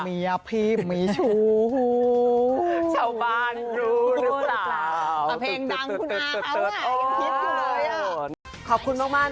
มีพี่มีไปชู้วววววว